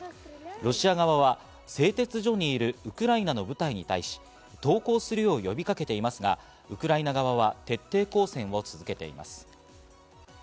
ロシア側は製鉄所にいるウクライナの部隊に対し、投降するよう呼びかけていますが、ウクライナ側は徹底抗戦を続けています。